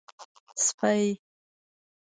🐕 سپۍ